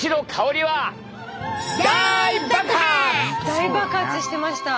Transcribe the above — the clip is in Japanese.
大爆発してました。